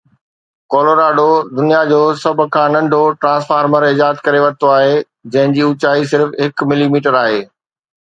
Colorado دنيا جو سڀ کان ننڍو ٽرانسفارمر ايجاد ڪري ورتو آهي جنهن جي اوچائي صرف هڪ ملي ميٽر آهي